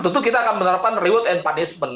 tentu kita akan menerapkan reward and punishment